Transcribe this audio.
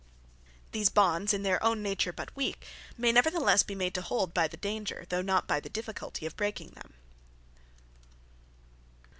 These Bonds in their own nature but weak, may neverthelesse be made to hold, by the danger, though not by the difficulty of breaking them.